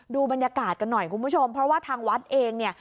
ดูบรรยากาศกันหน่อยคุณผู้ชมเพราะว่าทางวัดเองเนี่ย